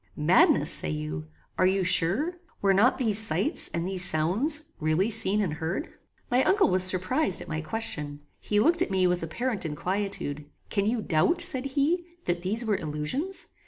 "Madness, say you? Are you sure? Were not these sights, and these sounds, really seen and heard?" My uncle was surprized at my question. He looked at me with apparent inquietude. "Can you doubt," said he, "that these were illusions?